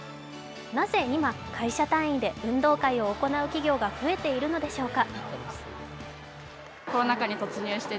なぜ今、会社単位で運動会を行う企業が増えているのでしょうか。